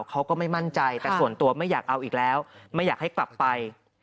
เขาก็ไม่มั่นใจแต่ส่วนตัวไม่อยากเอาอีกแล้วไม่อยากให้กลับไป